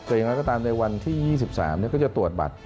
แต่อย่างไรก็ตามในวันที่๒๓ก็จะตรวจบัตร